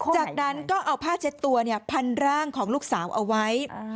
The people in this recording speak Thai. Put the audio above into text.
จากนั้นก็เอาผ้าเช็ดตัวพันร่างของลูกสาวเอาไว้